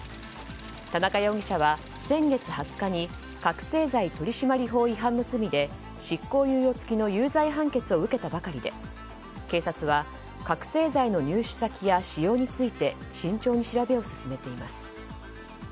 田中容疑者は先月２０日に覚醒剤取締法違反の罪で執行猶予付きの有罪判決を受けたばかりで警察は覚醒剤の入手先や使用について慎重に調べを進めています。